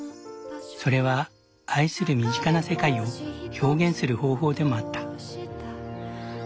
それは愛する身近な世界を表現する方法でもあった。